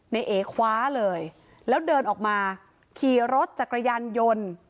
ในเอคว้าเลยแล้วเดินออกมาขี่รถจักรยานยนต์